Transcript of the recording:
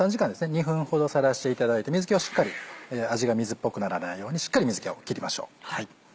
２分ほどさらしていただいて水気をしっかり味が水っぽくならないようにしっかり水気を切りましょう。